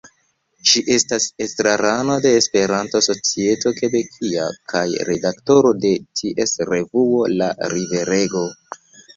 Ŝi estas estrarano de "Esperanto-Societo Kebekia" kaj redaktoro de ties revuo "La Riverego".